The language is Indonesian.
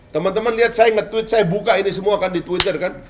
teman teman lihat saya nge tweet saya buka ini semua kan di twitter kan